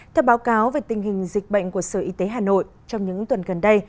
theo báo cáo về tình hình dịch bệnh của sở y tế hà nội trong những tuần gần đây